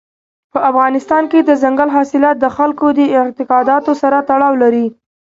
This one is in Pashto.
په افغانستان کې دځنګل حاصلات د خلکو د اعتقاداتو سره تړاو لري.